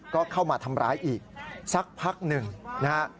ก็เข้ามาทำร้ายอีกสักพักหนึ่งนะฮะ